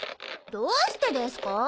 どうしてですか？